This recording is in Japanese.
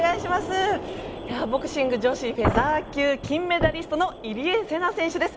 ボクシング女子フェザー級金メダリストの入江聖奈選手です。